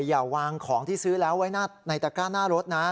อย่าวางของที่ซื้อแล้วไว้ในตระก้าหน้ารถนะ